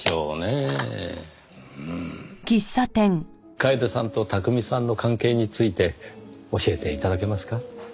楓さんと巧さんの関係について教えて頂けますか？